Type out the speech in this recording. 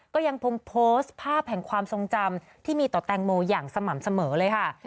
ก็ยังคงโพสต์ภาพแห่งความทรงจำที่มีต่อแตงโมอย่างสม่ำเสมอเลยค่ะ